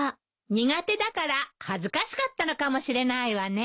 苦手だから恥ずかしかったのかもしれないわね。